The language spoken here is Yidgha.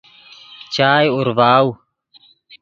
چائے اورڤاؤ